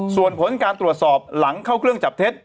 ส่วนผลการตรวจสอบหลังเข้าเครื่องจับเท็จ